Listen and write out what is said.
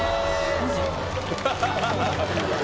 マジ？